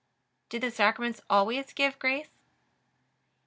Do the Sacraments always give grace?